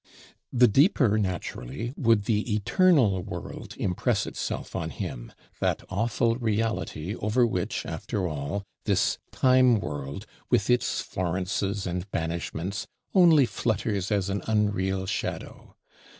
The deeper naturally would the Eternal World impress itself on him; that awful reality over which, after all, this Time world, with its Florences and banishments, only flutters as an unreal shadow.